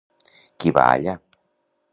Qui va allà?